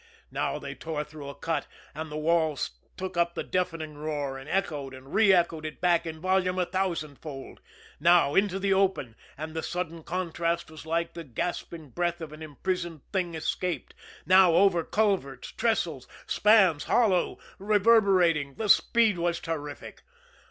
Now they tore through a cut, and the walls took up the deafening roar and echoed and reëchoed it back in volume a thousandfold; now into the open, and the sudden contrast was like the gasping breath of an imprisoned thing escaped; now over culverts, trestles, spans, hollow, reverberating the speed was terrific.